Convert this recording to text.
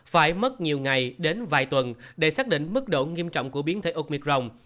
phải mất nhiều ngày đến vài tuần để xác định mức độ nghiêm trọng của biến thể omicron